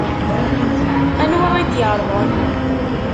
Anwa i d-yeṛḍen?